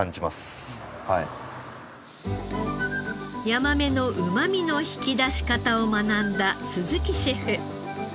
ヤマメのうまみの引き出し方を学んだ鈴木シェフ。